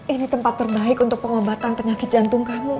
ini tempat terbaik untuk pengobatan penyakit jantung kamu